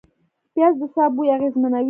پیاز د ساه بوی اغېزمنوي